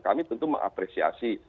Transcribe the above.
kami tentu mengapresiasi